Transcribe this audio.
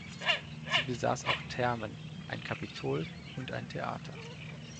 Sie besaß auch Thermen, ein Kapitol und ein Theater.